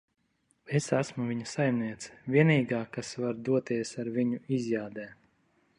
Es esmu viņa saimniece. Vienīgā, kas var doties ar viņu izjādē.